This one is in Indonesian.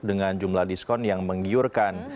dengan jumlah diskon yang menggiurkan